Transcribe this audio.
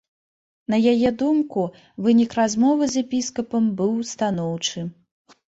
На яе думку, вынік размовы з епіскапам быў станоўчы.